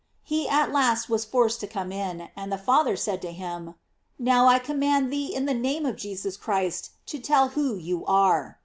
He at last was forced to come in, and the Father said to him: "Now, I command thee in the name of Jesus Christ to tell who you are."